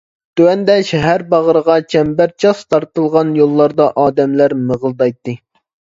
تۆۋەندە شەھەر باغرىغا چەمبەرچاس تارتىلغان يوللاردا ئادەملەر مىغىلدايتتى.